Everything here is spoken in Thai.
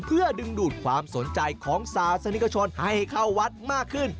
เพื่อดึงดูดความสนใจของศาสนิกชนให้เข้าวัดมากขึ้น